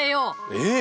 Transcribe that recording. えっ？